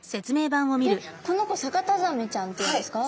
えっこの子サカタザメちゃんっていうんですか？